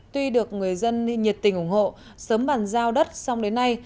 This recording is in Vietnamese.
tuy được người dân nhiệt tình ủng hộ sớm bàn giao đất xong đến nay